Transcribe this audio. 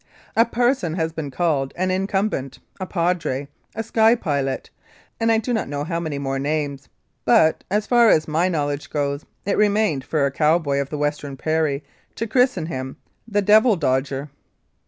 A parson has been called an "incumbent," a "padre," a "sky pilot," and I do not know how many more names, but, as far as my knowledge goes, it remained for a cow boy of the Western prairie to christen him the "Devil dodger!"